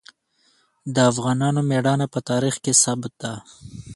د افغانانو ميړانه په تاریخ کې ثبت ده.